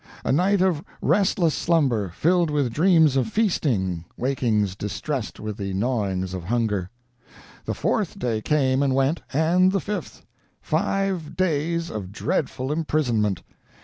A night of restless slumber, filled with dreams of feasting wakings distressed with the gnawings of hunger. "The fourth day came and went and the fifth! Five days of dreadful imprisonment!